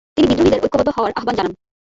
তিনি বিদ্রোহীদের ঐক্যবদ্ধ হওয়ার আহ্বান জানান।